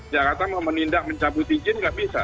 jakarta mau menindak mencabut izin nggak bisa